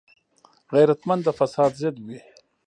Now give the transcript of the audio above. غیرتمند د فساد ضد وي